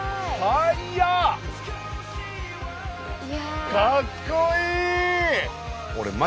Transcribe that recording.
かっこいい！